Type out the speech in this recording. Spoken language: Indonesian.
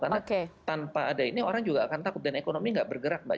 karena tanpa ada ini orang juga akan takut dan ekonomi nggak bergerak mbak